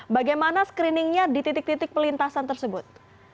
bagaimana screeningnya di titik titik pelintasan tersebut